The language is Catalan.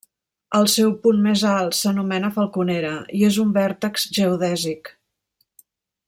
El seu punt més alt s'anomena Falconera i és un vèrtex geodèsic.